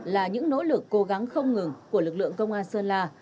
là những nỗ lực cố gắng không ngừng của lực lượng công an sơn la